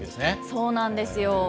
そうなんですよ。